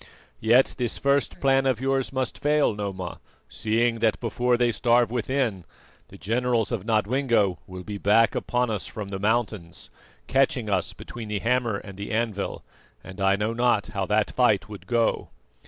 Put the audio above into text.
Yet this first plan of yours must fail, Noma, seeing that before they starve within, the generals of Nodwengo will be back upon us from the mountains, catching us between the hammer and the anvil, and I know not how that fight would go."